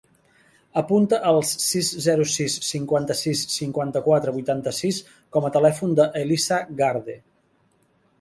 Apunta el sis, zero, sis, cinquanta-sis, cinquanta-quatre, vuitanta-sis com a telèfon de l'Elisa Garde.